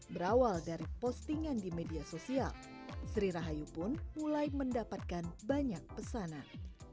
berawal dari postingan di media sosial sri rahayu pun mulai mendapatkan banyak pesanan